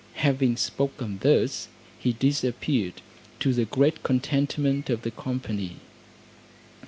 Having spoken thus he disappeared, to the great contentment of the company.